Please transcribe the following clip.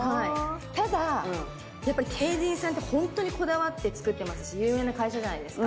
ただやっぱりＴＥＩＪＩＮさんってホントにこだわって作ってますし有名な会社じゃないですか。